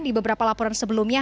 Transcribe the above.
di beberapa laporan sebelumnya